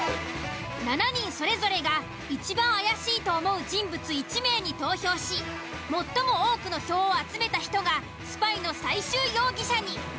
７人それぞれがいちばん怪しいと思う人物１名に投票し最も多くの票を集めた人がスパイの最終容疑者に。